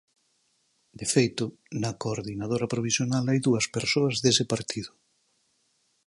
De feito, na coordinadora provisional hai dúas persoas dese partido.